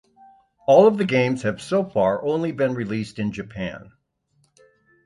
All of the games have so far only been released in Japan.